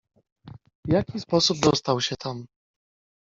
"W jaki sposób dostał się tam?"